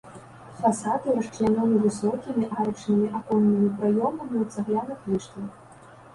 Фасады расчлянёны высокімі арачнымі аконнымі праёмамі ў цагляных ліштвах.